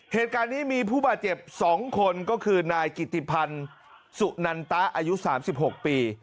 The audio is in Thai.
เหตุการณ์นี้มีผู้บาดเจ็บ๒คนก็คือนายกิติพันธ์สุนันตะอายุ๓๖ปี